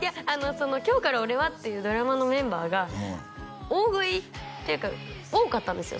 その「今日から俺は！！」っていうドラマのメンバーが大食いっていうか多かったんですよ